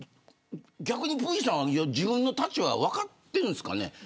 逆にプーチンさんは自分の立場は分かってるんですかね。